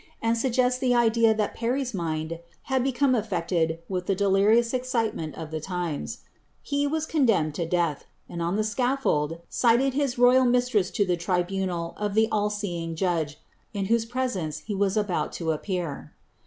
and suggests the idi a tlia". Parry's mind bad become affected with the delirious csciiemcut of the He was condemned to death, and on the scaffold cited his royal mis BLISABBTH. 25 tress to the tribunal of the all seeing Judge, in whose presence he was ibont to appear.'